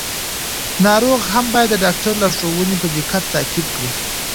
ناروغ هم باید د ډاکټر لارښوونې په دقت تعقیب کړي.